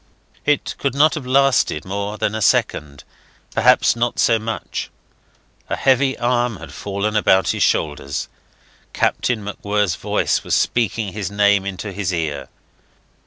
It could not have lasted more than a second, perhaps not so much. A heavy arm had fallen about his shoulders; Captain MacWhirr's voice was speaking his name into his ear.